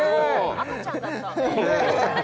赤ちゃんだったねえ